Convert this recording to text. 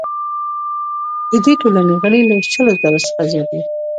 د دې ټولنې غړي له شلو زرو څخه زیات دي.